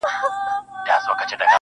زما د اوښکو په سمار راته خبري کوه.